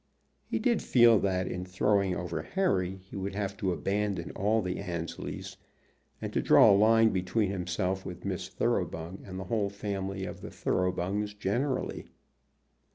He did feel that in throwing over Harry he would have to abandon all the Annesleys, and to draw a line between himself with Miss Thoroughbung and the whole family of the Thoroughbungs generally.